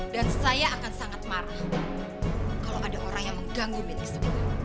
dan saya akan sangat marah kalau ada orang yang mengganggu milik saya